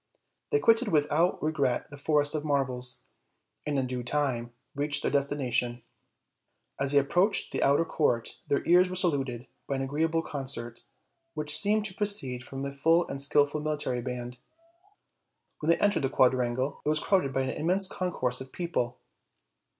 They quitted without regret the Forest of Marvels, and in due time reached their destination. As they approached the outer court their ears were saluted by an agreeable concert, which seemed to proceed from a full and skillful military band. When they entered the quadrangle it was crowded by an immense concourse of people.